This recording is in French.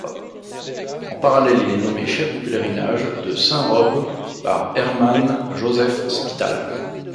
En parallèle, il est nommé chef du pèlerinage de Saint-Robe par Hermann Josef Spital.